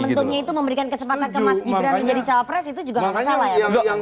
dan momentumnya itu memberikan kesepakatan ke mas